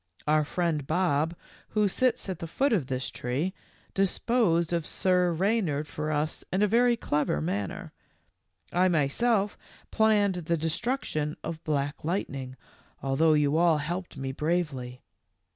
Our friend Bob, who sits at the foot of this tree, disposed of Sir Reynard for us in a very clever manner. I myself planned the destruction of Black Light ning, although you all helped me bravely.